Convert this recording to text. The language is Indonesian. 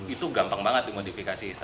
itu gampang banget dimodifikasi